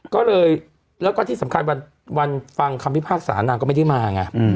ก็เลยแล้วก็ที่สำคัญวันฟังคำพิพากษานางก็ไม่ได้มาไง